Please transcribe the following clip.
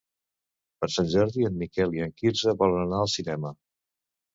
Per Sant Jordi en Miquel i en Quirze volen anar al cinema.